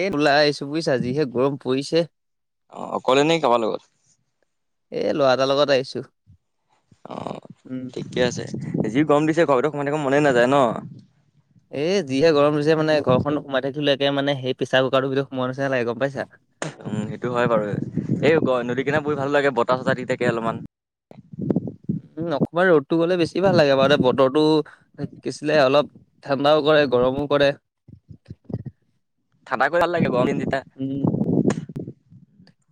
এ ওলাই আহিছো বুইছা যিহে গৰম পৰিছে। অ অকলে নে কাৰোবাৰ লগত এ ল'ৰা এটাৰ লগত আহিছো অ উম। ঠিকে আছে যি গৰম দিছে ঘৰৰ ভিতৰত সোমাই থাকিব মনেই নাযায় ন' এই যিহে গৰম দিছে মানে ঘৰখনত সোমাই থাকিলে একে মানে হেই প্ৰেছাৰ কুকাৰটো ভিতৰত সোমোৱা থকা নিচিনা লাগে গম পাইছা। উম, সেইটো হয় বাৰু এই গ নদী কিনাৰত বহি ভাল লাগে বতাহ চতাহ দি থাকে অলমান। উম, অকমান ৰ'দটো গ'লে বেছি ভাল লাগে বাৰু বতৰটো কি আছিলে অলপ ঠাণ্ডাও কৰে গৰমও কৰে। ঠাণ্ডা কৰিলে ভাল লাগে গৰম দিন যে উম।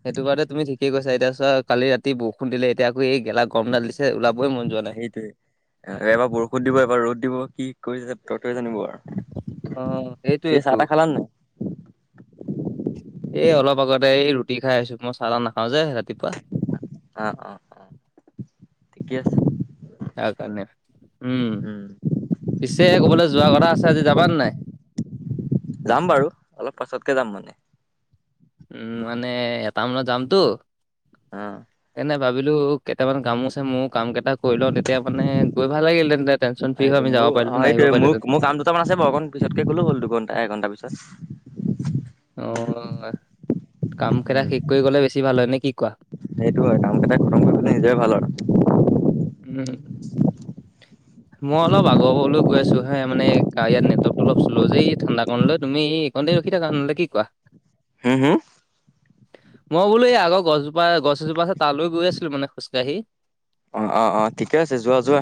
সেইটো বাৰো তুমি ঠিক কৈছা এতিয়া চোৱা কালি ৰাতি বৰষুণ দিলে এতিয়া আকৌ এই গেলা গৰমডাল দিছে। হে ওলাবই মন যোৱা নাই। এ এবাৰ বৰষুণ দিব এবাৰ ৰ'দ দিব কি কৰিছে বতৰটোৱে জানিব আৰ অ', সেইটোৱেইটো। এই অলপ আগতে এই ৰুটি খাই আহিছো মই চাহ তাহ নাখাও যে ৰাতিপুৱা। অ', অহ অ', ঠিকে আছে। তাৰ কাৰণে উম, উম পিছে ক'বালৈ যোৱা কথা আছে আজি যাবানে নাই? যাম বাৰু অলপ পাছতকে যাম মানে। উম, মানে এট মানত যামটো। অ'। এনে ভাবিলো কেইটামান কামো আছে মোৰ কাম কেইটা কৰি লওঁ তেতিয়া মানে গৈ ভাল লাগিল হেতেন তাত সেইটো মোৰ অ', সেইটোৱে মোৰ মোৰ কাম দুটামান আছে বাৰু অকণ পিছতকে গলেও হ'ল দেখোন দুঘন্টা এঘণ্টা পিছত। অ', কাম কেইটা উম শেষ কৰি গ'লে বেছি ভাল হয় নে কি কোৱা? সেইটো হয় কাম কেইটা খতম কৰি গলে নিজৰেই ভাল আৰু। উম মই অলপ আগৰ ঘৰলৈ গৈ আছো হে মানে ইয়াত নেটৱৰ্কতো অলপ স্ল যে এই ঠাণ্ডাকণলৈ তুমি কণটে ৰখি থাকা নন্তে কি কোৱা হুম হুম মই বোলো এই আগৰ গছ জোপা গছ এজোপা আছে তালৈ গৈ আছিলো মানে খোজকাঢ়ি অ অহ অহ ঠিকে আছে যোৱা যোৱা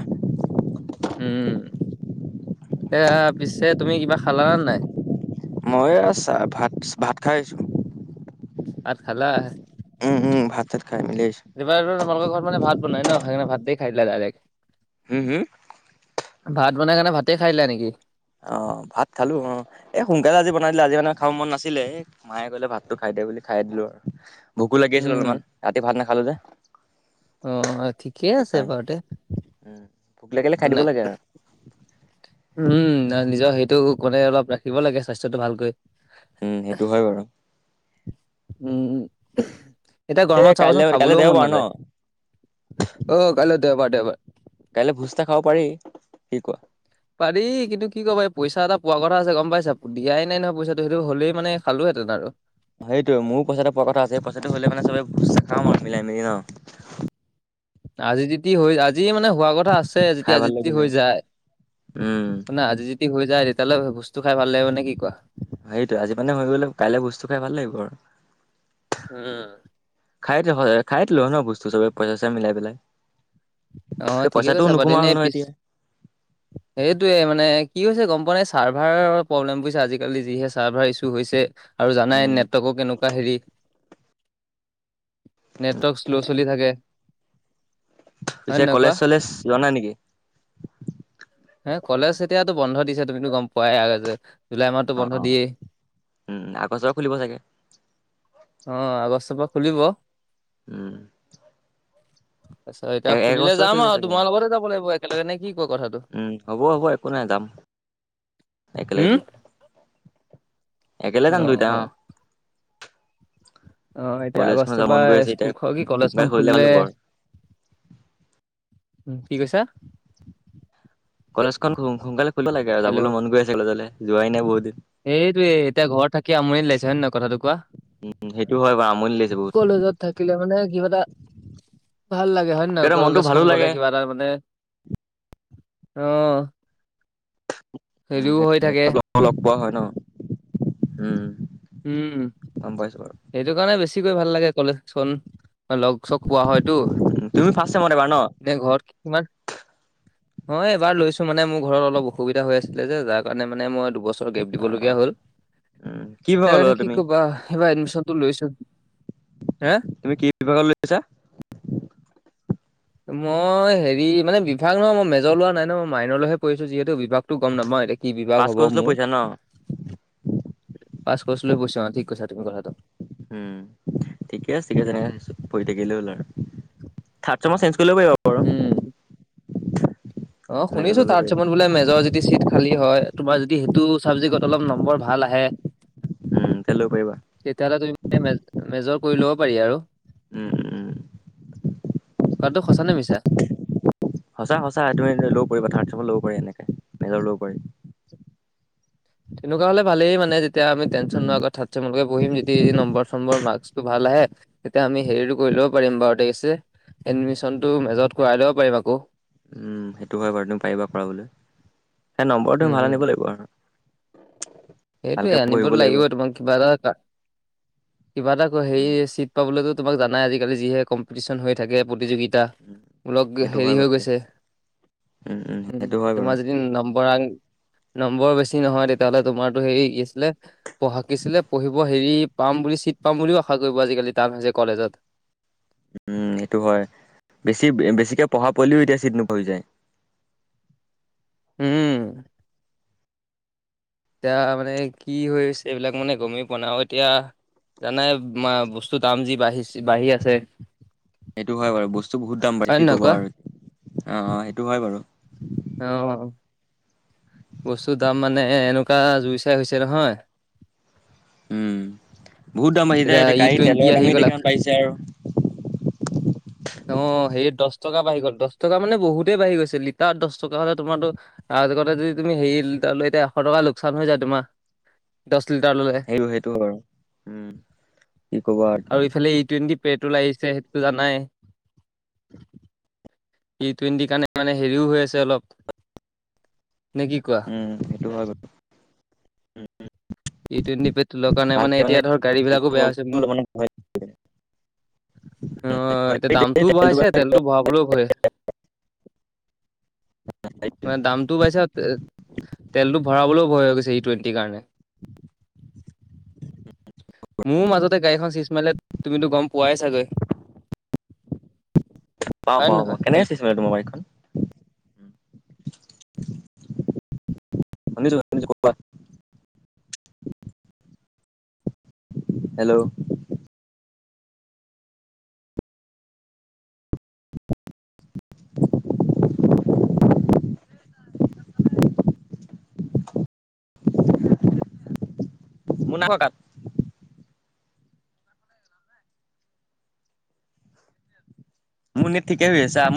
উম এ পিছে তুমি কিবা খালানে নাই মই এহ চাহ ভাত ভাত খাই আহিছো ভাত খালা উম উম ভাত চাত খাই মেলি আহিছো ৰাতিপুৱা ৰাতিপুৱা তোমালোকৰ ঘৰত মানে ভাত বনাই ন সেইকাৰণে ভাতেই খাই দিলা দাইৰেক্ট হুম হুম ভাত বনাই কাৰণে ভাতে খাই দিলা নিকি অ ভাত খালো অ এ সোনকালে আজি বনাই দিলে আজি মানে খাব মন নাছিলে এই মায়ে ক'লে ভাতটো খাই দে বুলি খাই দিলো আৰু ভোকো লাগি আছিল উম, অলমান ৰাতি ভাত নাখালো যে অহ ঠিকেই আছে সেইকাৰণে বাৰুতে উম ভোক লাগিলে খাই দিব লাগে আৰু উম আ নিজৰ সেইটো মানে অলপ ৰাখিব লাগে স্বাস্থ্যটো ভালকৈ উম সেইটো হয় বাৰু উম এতিয়া এ গৰমত কাইলৈ চাবাচোন কাইলৈ খাবলৈও মন দেওবাৰ ন নাযায় অ কাইলৈ দেওবাৰ দেওবাৰ কাইলৈ ভোজ এটা খাব পাৰি কি কোৱা পাৰি কিন্তু কি ক'ম এই পইচা এটা পোৱা কথা আছে গম পাইছা দিয়াই নাই নহয় পইচাটো সেইটো হ'লেই মানে খালো হেতেন আৰু সেইটোৱে মোৰো পইচা এটো পোৱা কথা আছে সেই পইচাটো হ'লে মানে চবে ভোজ খাম আৰু মিলাই মিলি ন আজি যদি হয় আজিয়ে মানে হোৱা কথা আছে খাই যেতিয়া ভাল যি টি লাগিলে হৈ যায় উম শুনা আজি য দি হৈ যায় তেতিয়া হ'লে ভোজটো খাই ভাল লাগিব নে কি কোৱা সেইটোৱে আজি মানে হৈ গ'লে কাইলে ভোজটো খাই ভাল লাগিব আৰু উম খাই থ হয় খাই দিলো হয় ন ভোজটো চবে পইচা চইচা মিলাই পেলাই সেই পইচাটোও নোসোমোৱা হ'ল নহয় এতিয়া [unintelligible] সেইটোৱে মানে কি হৈছে গম পোৱা নাই চাৰ্ভাৰৰ প্ৰব্লেম বুজিছা আজিকালি যিহে চাৰ্ভাৰ ইছু হৈছে আৰু জানাই উম নেটৱৰ্কো কেনেকুৱা হেৰি নেটৱৰ্ক স্ল চলি থাকে হয় নে পিছে নহয় কোৱা কলেজ চলেজ যোৱা নাই নেকি হে কলেজ এতিয়াতো বন্ধ দিছে তুমিতো গম পোৱাই আৰু যে জুলাই মাহতটো অ বন্ধ অ দিয়েই উম আগষ্টৰ পৰা খুলিব চাগে অ আগষ্টৰ পৰা খুলিব উম তাৰপিছত এতিয়া এক খুলিলে বছৰে যাম খুলিব আৰু চাগে তোমাৰ লগতে যাব লাগিব একেলগে নে কি কয় কথাটো উম হ'ব হ'ব একো নাই যাম হুম একেলগে একে ল'গে যাম দুটাই অ অ এতিয়া কলেজখন আগষ্টৰ যাব মন গৈ পৰা আছে এতিয়া স্কুল খ কি কলেজ সোনকালে খন ভাল খুলিলে হ'ব আৰু কি কৈছা কলেজখন সোনকালে খুলিব লাগে আৰু হেল্ল' যাবলৈ মন গৈ আছে কলেজলৈ যোৱাই নাই বহুত দিন। এইটোয়ে এতিয়া ঘৰৰত থাকি আমনি লাইছে হয় নে নহয় কথাটো কোৱা। উম সেইটো হয় বাৰু আমনি লাগিছে বহুত। কলেজত থাকিলে মানে কিবা এটা ভাল লাগে হয় নে কিবা নহয় এটা মনটো ভালো কলেজখন গ'লে লাগে কিবা এটা মানে অ উম সেৰিও হৈ থাকে। লগ পোৱা হয় ন উম উম গম পাইছো বাৰু। সেইটো কাৰণে বেছিকৈ ভাল লাগে কলেজ লগ চ পোৱা হয়তো। তুমি ফাৰ্ষ ছিয়েমত এবাৰ ন। এ ঘৰ কি কিমান অ এবাৰ লৈছো মানে মোৰ ঘৰত অলপ অসুবিধা হৈ আছিলে যে যাৰ কাৰণে মানে মই দুবছৰ দিবলীয়া হল উম কি বিভাগৰ সেইকাৰণে ল'লা কি তুমি কবা এইবাৰ এডমিশনটো লৈছো। হে তুমি কি বিভাগত লৈ আছা। [inaudible] মই হেৰি মানে বিভাগ নহয় মই মেজৰ লোৱা নাই নহয় মই মাইনৰ লৈহে পৰিছো যিহেতু বিভাগতো গম নাপাওঁ এতিয়া কি বিভাগ পাছ হ'ব কৰ্চ লৈ মোৰ, পঢ়িছা ন? পাছ কৰিছিলোৱে পইচা অ ঠিক কৈছা তুমি কথাটো উম ঠিকে আছে ঠিক আছে এনেকে পঢ়ি থাকিলে হ'ল আৰু থাৰ্ড ছেমত চেঞ্জ কৰি ল'ব পাৰিব উম। [inaudible] অঁ মেজৰ শুনিছো লৈ ল'ব তাৰ পাৰিবা। চমত বোলে মেজৰ যদি চিট খালী হয় তোমাৰ যদি সেইটো চাবজেক্টত অলপ নম্বৰ ভাল আহে। উমঁ তেল লৱ পাৰিবা। তেতিয়াহ'লে তুমি মানে মেজৰ কৰি ল'ব পাৰি আৰু। উমঁ উমঁ। কটো সঁচা নে মিছা। সঁচা সঁচা এতো লৈ লৱ পাৰিবা থাৰড চেয়েমত লব পাৰি এনেকে মেজৰ লৱ পাৰি। তেনেকুৱা হলে ভালেই মানে যেতিয়া আমি টেনচন উম, নোৱাৰ কথাত তোমালোকে পঢ়িম যদি এই নম্বৰ চম্বৰ মাৰ্ক টো ভাল আহে তেতিয়া আমি হেৰিটো কৰি ল'ব পাৰিম বাৰু দেখিছে এডমিশনতটো মেজত কৰাই লব পাৰিম আকৌ। উমঁ সেইটো হয় বাৰু তুমি পাৰিবা কৰাবলৈ সেই নম্বৰটো উম ভালে উম আনিব লাগিব আৰু। ভালকে সেইটোৱে পঢ়িব আনিবতো লাগিব তোমাক কিবা এটা কিবা এটা হেৰি উম, চিট পাবলৈতো তোমাক জানাই আজালি যিহে কম্পিটিচন হৈ থাকে প্ৰতিযোগিতা যা উম, ওলগে সেইটো হেৰি হয় হৈ বাৰু। গৈছে। উম, উম, উমঁ সেইটো হয় বাৰু। তোমাৰ যদি নম্বৰান নম্বৰ বেছি নহয় তেতিয়াহলে তোমাৰতো হেৰি কি আছিলে পঢ়াকিছিলে পঢ়িব হেৰি পাম বুলি ছিট পাম বুলিও আশা কৰিব আজিকালি টান হৈছে কলেজত। উমঁ সেইটো হয় বেছি বেছিকে পঢ়া পোৱালিও এতিয়া চিট নোপোৱা হৈ যায়। উমঁ। এতিয়া মানে কি হৈছে এইবিলাক মানে গমেই পোৱা নাই আৰু এতিয়া- জানাই মা বস্তু দাম যি বাঢ়ি বাঢ়ি আছে। সেইটো হয় বাৰু বস্তু বহুত দাম বাঢ়িছে হয় নে কি নহয় ক'ব কোৱা? আৰু অ অ সেইটো হয় বাৰু। অঁ বস্তুৰ দাম মানে এনেকুৱা জুই চাই হৈছে নহয়। উমঁ বহুত দাম আহিযাই এতিয়া গাড়ীৰ তেলৰ দামেই মান বাঢ়িছে আৰু। [inaudible] অঁ সে দহ টকা বাঢ়ি গ'ল দহ টকা মানে বহুতেই বাঢ়ি গৈছে লিটাৰ দহ টকা হলে তোমাৰো আৰুজগতে যদি তুমি হেৰি লিটাৰ লৈ এতিয়া এশ টকা লোকচান হৈ যায় তোমাৰ দহ লিটাৰ ল'লে। সেই সেইটো আৰু উমঁ।। কি ক'ব আৰু ইফালে ই টুৱেণ্টি পে টো লাগিছে সেইটোতটো জানাই। টি টুৱেণ্টিৰ কাৰণে মানে হেৰিও হৈ আছে অলপ। নে কি কোৱা উমঁ সেইটো হয় বাৰু। ই টুৱেণ্টে তলৰ কাৰণ মানে এতিয়া ধৰ গাড়ীবিলাকো বেয়া হৈছে মোৰ। অঁ এতিয়া দামটোও বঢ়াইছে তেল ভয়াৱলৈভয় মানে দাম- টো পাইছ তেলতটো ভৰাবলৈও ভয় হৈ গৈছে ই টুৱেলটো কাৰণে। মোৰ মাজতে গাড়ীখন চিচ মাৰিলে তুমিতো গম পোৱাই চাগৈ। পাওঁ হয় নে পাওঁ নহয় কেনেকে চিচ মাৰিলে তোমাৰ বাইক খন শুনিছো শুনিছো কোৱা। হেলৌ। [unintelligible] [unintelligible] মোৰ নাই খোৱা কাট। মোৰ নে ঠিকেই হৈ আছে মোক